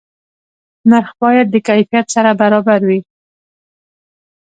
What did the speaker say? نرخ باید د کیفیت سره برابر وي.